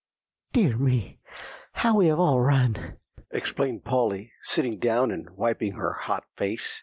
"Dear me, how we have all run!" exclaimed Polly, sitting down and wiping her hot face.